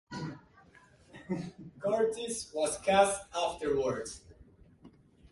Curtis was cast afterwards.